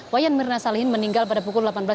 wayan mirna salihin meninggal pada pukul delapan belas